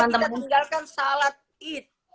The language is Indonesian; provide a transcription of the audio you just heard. jangan sampai kita tinggalkan sholat it